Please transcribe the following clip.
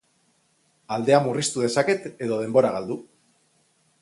Aldea murriztu dezaket edo denbora galdu.